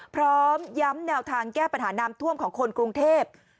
พร้อมย้ำแนวทางแก้ปัญหาน้ำท่วมของคนกรุงเทพ